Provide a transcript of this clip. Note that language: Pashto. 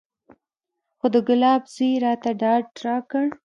خو د ګلاب زوى راته ډاډ راکړ.